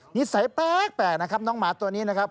นิสัยแปลกนะครับน้องหมาตัวนี้นะครับ